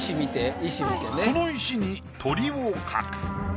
この石に鳥を描く。